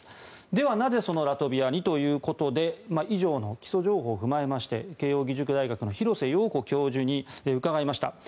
では、なぜそのラトビアにということで以上の基礎情報を踏まえまして慶応義塾大学の廣瀬陽子教授に伺いました。